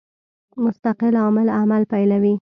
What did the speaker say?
مستقل عامل عمل پیلوي.